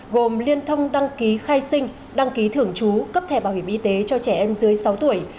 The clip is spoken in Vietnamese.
gồm liên thông đăng ký khai sinh đăng ký thưởng chú cấp thẻ bảo hiểm y tế cho trẻ em dưới sáu tuổi